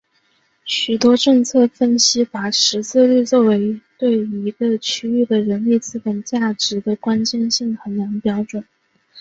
许多政策分析把识字率作为对一个区域的人力资本价值的关键性衡量标准。